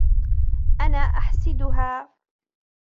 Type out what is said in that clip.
أنا أحسدها.